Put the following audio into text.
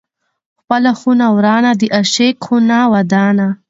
ـ خپله خونه ورانه، د عاشق خونه ودانه.